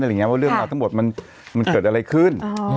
ว่าเรื่องราวทั้งหมดมันเกิดอะไรขึ้น